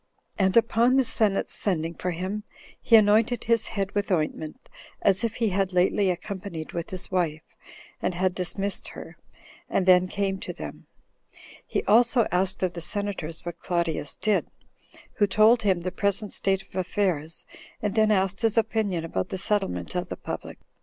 And upon the senate's sending for him, he anointed his head with ointment, as if he had lately accompanied with his wife, and had dismissed her, and then came to them: he also asked of the senators what Claudius did; who told him the present state of affairs, and then asked his opinion about the settlement of the public.